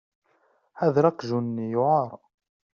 Ḥader aqjun-nni yewεer.